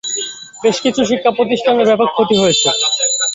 বেশ কিছু শিক্ষাপ্রতিষ্ঠানের ব্যাপক ক্ষতি হয়েছে।